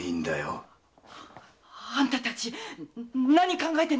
あんたたち何を考えてんだい